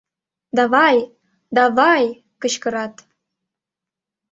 «Давай, давай! — кычкырат.